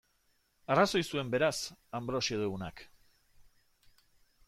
Arrazoi zuen, beraz, Anbrosio deunak.